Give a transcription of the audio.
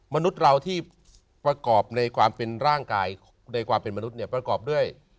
มนุษย์เราที่ประกอบในความเป็นร่างกายในความเป็นมนุษย์เนี่ยประกอบด้วย